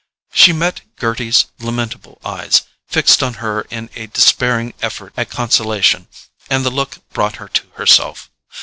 She met Gerty's lamentable eyes, fixed on her in a despairing effort at consolation, and the look brought her to herself.